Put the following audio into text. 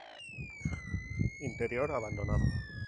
Interior abandonado.